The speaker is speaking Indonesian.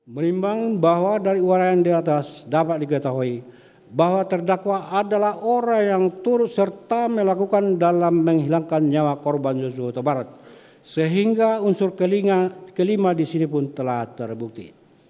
berimbang bahwa dari warna yang di atas dapat diketahui bahwa terdakwa adalah orang yang turut serta melakukan dalam menghilangkan nyawa korban yusuf utabarat sehingga unsur telinga kelima disini pun telah terbukti